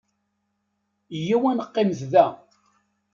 Yya-w ad neqqimet da.